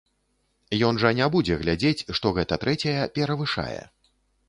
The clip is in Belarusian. Ён жа не будзе глядзець, што гэта трэцяя перавышае.